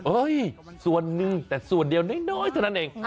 เอ้ยส่วนหนึ่งแต่ส่วนเดียวน้อยตัวนั้นเอง